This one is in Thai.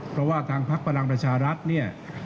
เพราะว่าทางพักพลังประชารัฐเนี่ย